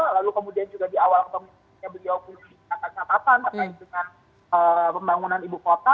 lalu kemudian juga di awal kemudian beliau punya perintahkan keterangan dengan pembangunan ibu kota